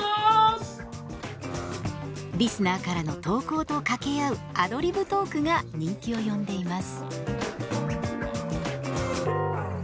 リスナーからの投稿と掛け合うアドリブトークが人気を呼んでいます。